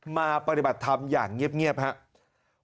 มาปฏิบัติธรรมอย่างเงียบครับ